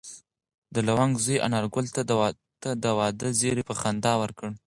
د لونګ زوی انارګل ته د واده زېری په خندا ورکړ.